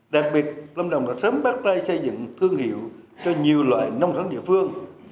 đặc biệt lâm đồng đã sớm bắt tay xây dựng thương hiệu cho nhiều loại nông sản địa phương